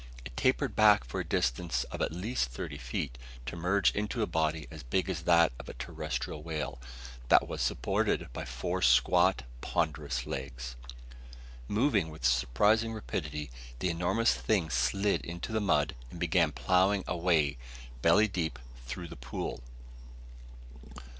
It tapered back for a distance of at least thirty feet, to merge into a body as big as that of a terrestial whale, that was supported by four squat, ponderous legs. Moving with surprising rapidity, the enormous thing slid into the mud and began ploughing a way, belly deep, toward the pool.